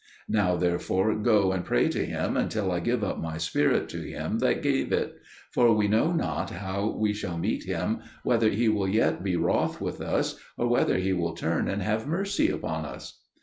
Now therefore go and pray to Him until I give up my spirit to Him that gave it; for we know not how we shall meet Him, whether He will yet be wroth with us, or whether He will turn and have mercy upon us."